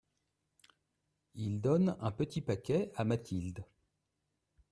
Il donne un petit paquet à Mathilde.